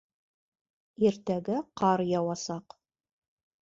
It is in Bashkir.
Иртәгә ҡар яуасаҡ.